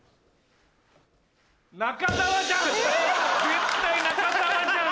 絶対中澤じゃん！